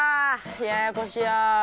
ややこしや。